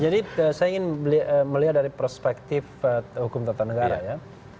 jadi saya ingin melihat dari perspektif hukum tata negara ya